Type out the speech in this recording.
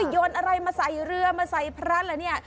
โยนอะไรมาใส่เรือมาใส่พระเหรอเนี่ย